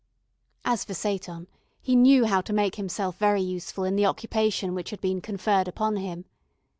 As for Seyton, he knew how to make himself very useful in the occupation which had been conferred upon him.